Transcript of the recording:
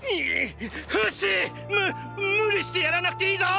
フシ！む無理してやらなくていいぞ！